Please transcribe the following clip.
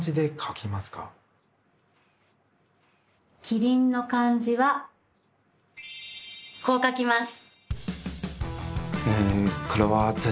「キリン」の漢字はこう書きます。